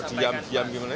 kok diam diam gimana